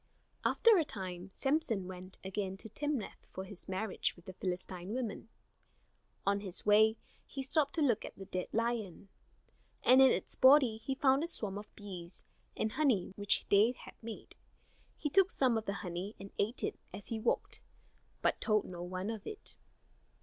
After a time Samson went again to Timnath for his marriage with the Philistine woman. On his way he stopped to look at the dead lion; and in its body he found a swarm of bees, and honey which they had made. He took some of the honey and ate it as he walked, but told no one of it.